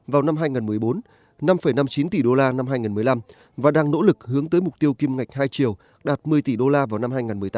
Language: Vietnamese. vào năm hai nghìn một mươi bốn năm năm mươi chín tỷ đô la năm hai nghìn một mươi năm và đang nỗ lực hướng tới mục tiêu kim ngạch hai triệu đạt một mươi tỷ đô la vào năm hai nghìn một mươi tám